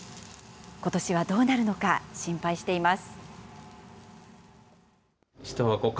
ことしはどうなるのか、心配しています。